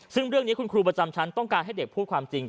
ซึ่งเรื่องนี้คุณครูประจำชั้นต้องการให้เด็กพูดความจริง